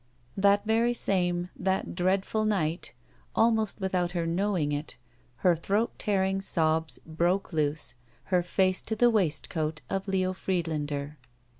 That very same, that dreadful night, almost with out her knowing it, her throat tearing sobs broke loose, her face to the waistcoat of Leo Pried lander.